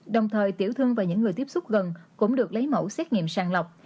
đồng thời tiểu thương và những người tiếp xúc gần cũng được lấy mẫu xét nghiệm sàng lọc